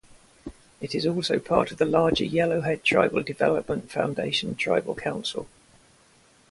It is also part of the larger Yellowhead Tribal Development Foundation tribal council.